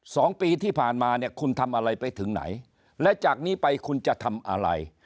สองปีที่ผ่านมาเนี่ยคุณทำอะไรไปถึงไหนและจากนี้ไปคุณจะทำอะไร